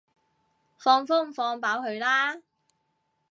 放風放飽佢啦